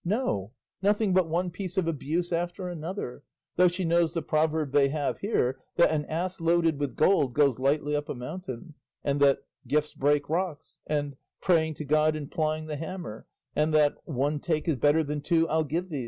No, nothing but one piece of abuse after another, though she knows the proverb they have here that 'an ass loaded with gold goes lightly up a mountain,' and that 'gifts break rocks,' and 'praying to God and plying the hammer,' and that 'one "take" is better than two "I'll give thee's."